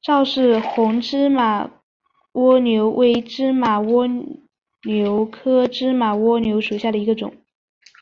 赵氏红芝麻蜗牛为芝麻蜗牛科芝麻蜗牛属下的一个种。